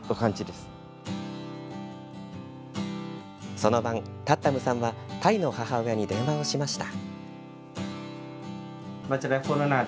その晩、タッタムさんはタイの母親に電話をしました。